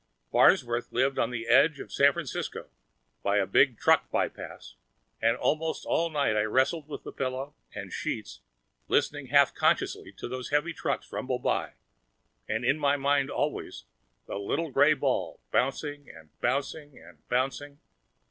Farnsworth lived on the edge of San Francisco, by a big truck by pass, and almost all night I wrestled with the pillow and sheets, listening half consciously to those heavy trucks rumbling by, and in my mind, always, that little gray ball, bouncing and bouncing and bouncing....